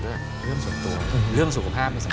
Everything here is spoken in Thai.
เรื่องส่วนตัวเรื่องสุขภาพไม่สำคัญ